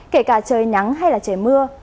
kể cả trời nắng hay trời mưa